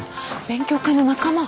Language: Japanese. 勉強会の仲間。